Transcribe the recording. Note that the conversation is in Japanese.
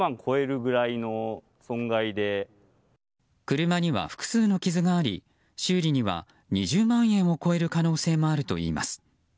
車には複数の傷があり修理には２０万円を超える可能性もあるといいます。